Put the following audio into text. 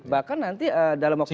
bahkan nanti dalam waktu